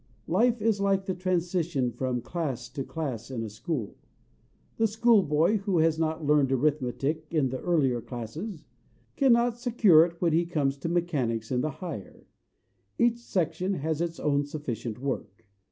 Life is like the transition from class to class in a school. The school boy who has not learned arithmetic in the earlier classes, cannot secure it when he comes to mechanics in the higher: each section has its own sufficient work.